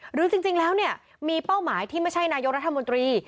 หรือจริงแล้วเนี่ยมีเป้าหมายที่ไม่ใช่นายกรัฐมนตรี